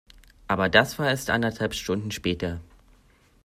Aber das war erst anderthalb Stunden später.